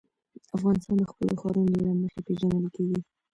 افغانستان د خپلو ښارونو له مخې پېژندل کېږي.